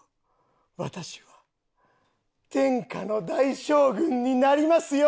私は天下の大将軍になりますよ！